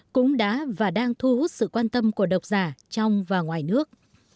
cũng đã và đang thu hút sự quan tâm của độc giả trong và ngoài nước